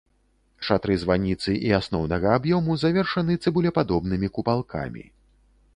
Шатры званіцы і асноўнага аб'ёму завершаны цыбулепадобнымі купалкамі.